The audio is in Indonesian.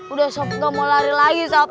udah sob gak mau lari lagi sob